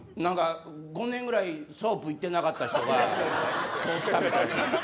５年ぐらいソープ行ってなかった人が今日来たみたいな。